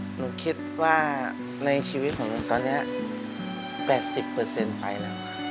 หนูคิดว่าในชีวิตของหนูตอนนี้๘๐ไปแล้ว